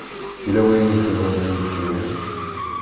Yella wayen tebɣiḍ ad yi-d-tiniḍ?